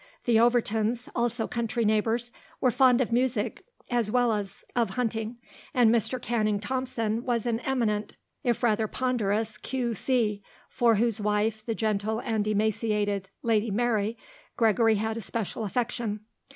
The Overtons, also country neighbours, were fond of music as well as of hunting, and Mr. Canning Thompson was an eminent, if rather ponderous, Q.C., for whose wife, the gentle and emaciated Lady Mary, Gregory had a special affection.